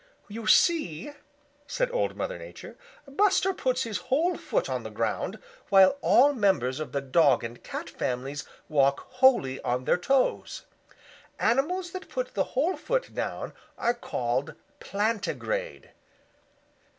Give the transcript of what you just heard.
"You see," said Old Mother Nature, "Buster puts his whole foot on the ground, while all members of the Dog and Cat families walk wholly on their toes. Animals that put the whole foot down are called plantigrade.